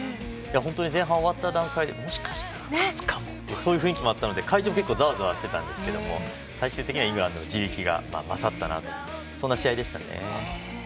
前半終わった段階でもしかしたら勝つかもというそういう雰囲気もあったので会場は結構ざわざわしてたんですけどイングランドの地力が勝ったなという試合でしたね。